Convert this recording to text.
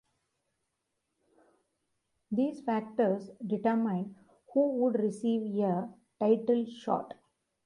These factors determined who would receive a title shot.